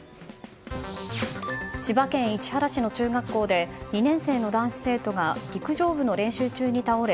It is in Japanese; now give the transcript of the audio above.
千葉県市原市の中学校で２年生の男子生徒が陸上部の練習中に倒れ